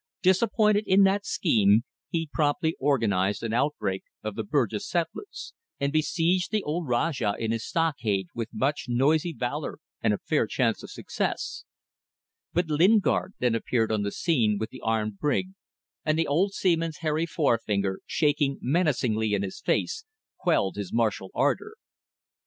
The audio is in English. Disappointed in that scheme, he promptly organized an outbreak of the Bugis settlers, and besieged the old Rajah in his stockade with much noisy valour and a fair chance of success; but Lingard then appeared on the scene with the armed brig, and the old seaman's hairy forefinger, shaken menacingly in his face, quelled his martial ardour.